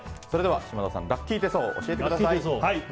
それでは島田さんラッキー手相を教えてください。